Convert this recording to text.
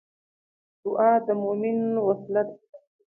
دعا د مومن وسله ده